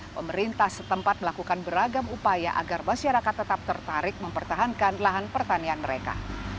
pemerintah setempat melakukan beragam upaya agar masyarakat tetap tertarik mempertahankan lahan pertanian mereka